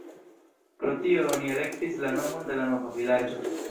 Pro tio oni elektis la nomon de la nova vilaĝo.